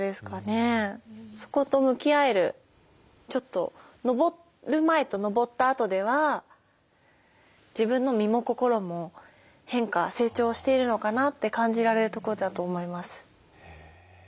そこと向き合えるちょっと登る前と登ったあとでは自分の身も心も変化成長しているのかなって感じられるところだと思います。